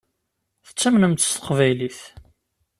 Tettamnemt s teqbaylit.